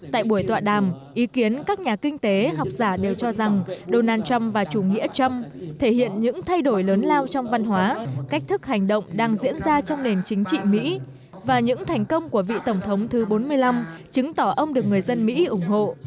tại buổi tọa đàm ý kiến các nhà kinh tế học giả đều cho rằng donald trump và chủ nghĩa trâm thể hiện những thay đổi lớn lao trong văn hóa cách thức hành động đang diễn ra trong nền chính trị mỹ và những thành công của vị tổng thống thứ bốn mươi năm chứng tỏ ông được người dân mỹ ủng hộ